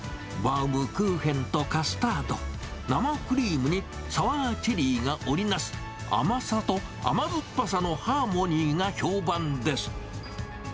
バウムクーヘンとカスタード、生クリームにサワーチェリーが織り成す、甘さと甘酸っぱさのハーモニーが評判です。